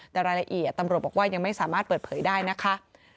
แต่รายละเอียดตำรวจบอกว่ายังไม่สามารถเปิดเผยได้นะคะ